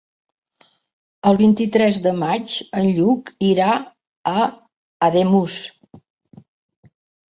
El vint-i-tres de maig en Lluc irà a Ademús.